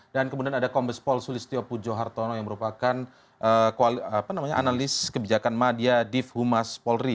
dan kemudian ada kombes pol sulistio pujo hartono yang merupakan analis kebijakan madya div humas polri